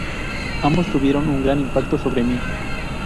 Ambos tuvieron un gran impacto sobre mí.